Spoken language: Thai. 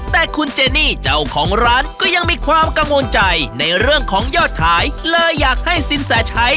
แต่คุณเจนี่เจ้าของร้านก็ยังมีความกังวลใจในเรื่องของยอดขาย